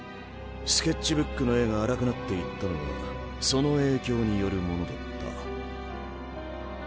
スケッチブックの絵が荒くなっていったのはその影響によるものだった。